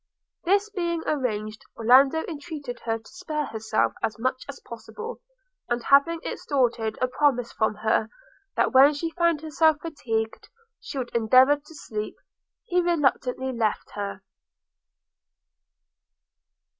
This being arranged, Orlando entreated her to spare herself as much as possible; and having extorted a promise from her, that when she found herself fatigued she would endeavour to sleep, he reluctantly left her.